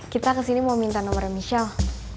kita kesini mau minta nomernya michelle